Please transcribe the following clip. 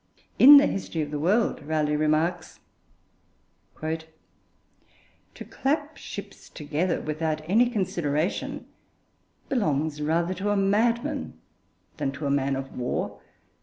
In the History of the World Raleigh remarks: To clap ships together without any consideration belongs rather to a madman than to a man of war.